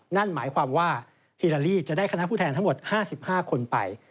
นั่นหมายความว่าฮิลาลีจะได้คณะผู้แทนทั้งหมด๕๕คนไป